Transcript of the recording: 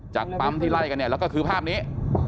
จากปั๊มที่ไล่กันเนี่ยแล้วก็คือภาพนี้